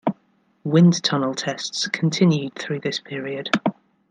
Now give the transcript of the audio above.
Wind tunnel tests continued through this period.